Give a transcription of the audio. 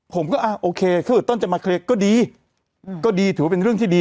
โอเคคือต้นจะมาเคลียร์ก็ดีก็ดีถือว่าเป็นเรื่องที่ดี